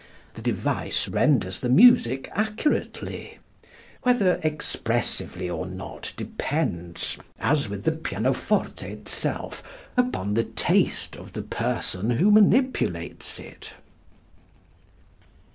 The device renders the music accurately; whether expressively or not depends, as with the pianoforte itself, upon the taste of the person who manipulates it.